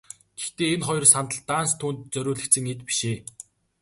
Гэхдээ энэ хоёр сандал даанч түүнд зориулагдсан эд биш ээ.